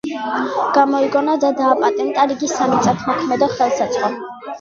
გამოიგონა და დააპატენტა რიგი სამიწათმოქმედო ხელსაწყო.